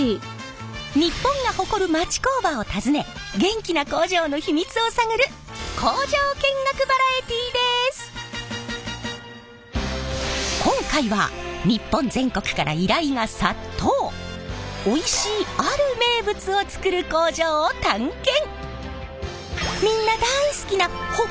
日本が誇る町工場を訪ね元気な工場の秘密を探る今回はおいしいある名物を作る工場を探検！